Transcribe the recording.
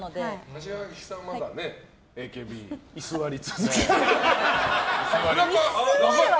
柏木さんはまだＡＫＢに居座り続けてる。